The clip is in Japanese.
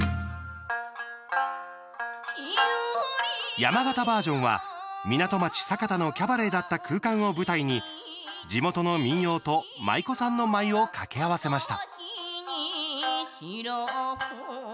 山形バージョンは港町・酒田のキャバレーだった空間を舞台に地元の民謡と舞妓さんの舞を掛け合わせました。